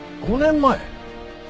５年前？